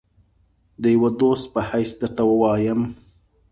د یوه دوست په حیث درته وایم.